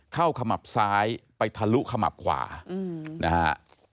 ขมับซ้ายไปทะลุขมับขวานะฮะ